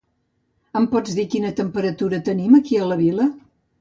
Em pots dir quina temperatura tenim aquí a la vila?